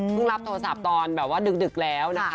รับโทรศัพท์ตอนแบบว่าดึกแล้วนะคะ